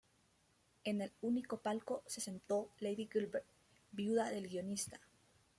En el único palco se sentó Lady Gilbert, viuda del guionista.